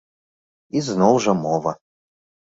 І, зноў жа, мова.